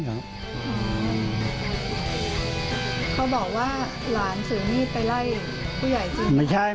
เขาบอกว่าหลานถือมีดไปไล่ผู้ใหญ่จริง